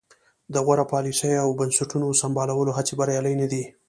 د غوره پالیسیو او بنسټونو سمبالولو هڅې بریالۍ نه دي.